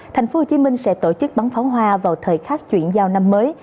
thành phố hồ chí minh sẽ tổ chức bắn pháo hoa vào thời khác chuyển giao năm mới